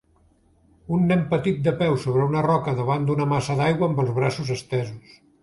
Un nen petit de peu sobre una roca davant d'una massa d'aigua amb els braços estesos.